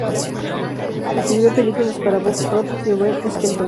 Escribió películas para Bob Hope y Red Skelton.